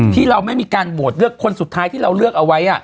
ที่เราไม่มีการโหวตเลือกคนสุดท้ายที่เราเลือกเอาไว้